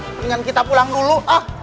mendingan kita pulang dulu